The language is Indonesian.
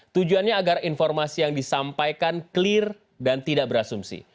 tujuannya agar informasi yang disampaikan clear dan tidak berasumsi